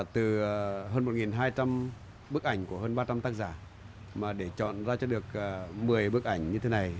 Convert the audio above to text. từ hơn một hai trăm linh bức ảnh của hơn ba trăm linh tác giả mà để chọn ra cho được một mươi bức ảnh như thế này